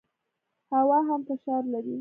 هوا هم فشار لري.